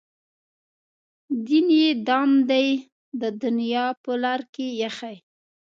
دین یې دام دی د دنیا په لار کې ایښی.